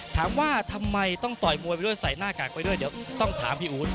ถามว่าทำไมต้องต่อยมวยไปด้วยใส่หน้ากากไปด้วยเดี๋ยวต้องถามพี่อู๊ด